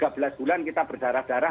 dua belas bulan kita berdarah darah